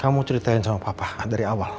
kamu ceritain sama papa dari awal